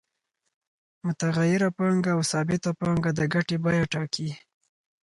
متغیره پانګه او ثابته پانګه د ګټې بیه ټاکي